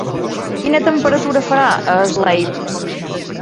Quina temperatura farà a Slade?